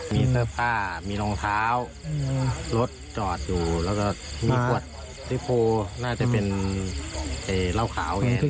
มีเสื้อผ้ามีรองเท้ารถจอดอยู่แล้วก็มีขวดติโพน่าจะเป็นเหล้าขาวอย่างนี้